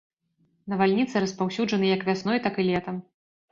Навальніцы распаўсюджаны як вясной, так і летам.